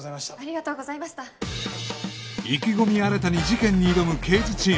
意気込み新たに事件に挑む刑事チーム